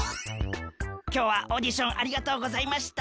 きょうはオーディションありがとうございました。